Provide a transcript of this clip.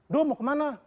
do mau kemana